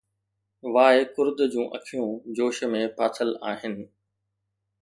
Y ڪرد جون اکيون جوش ۾ ڦاٿل آهن